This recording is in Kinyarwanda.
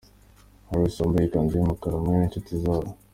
Harus wambaye ikanzu y'umukara, hamwe n'inshuti zabo.